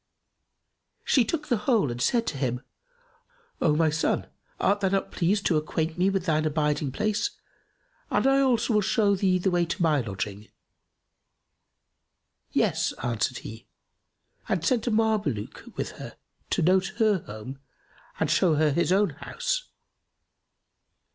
She took the whole and said to him, "O my son, art thou not pleased to acquaint me with thine abiding place and I also will show thee the way to my lodging?" "Yes," answered he and sent a Mameluke with her to note her home and show her his own house.